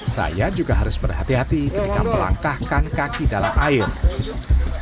saya juga harus berhati hati ketika melangkahkan kaki dalam air